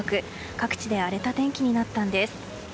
各地で荒れた天気になったんです。